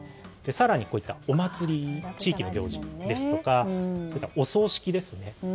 更に、お祭り地域の行事ですとかお葬式ですね。